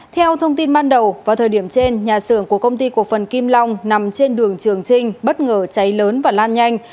theo thông tin ban đầu vào thời điểm trên nhà xưởng của công ty cổ phần kim long nằm trên đường trường trinh bất ngờ cháy lớn và lan nhanh